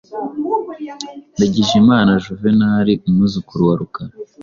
Ndagijimana Juvenal, umwuzukuru wa Rukara